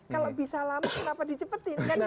kalau bisa lama kenapa di cepetin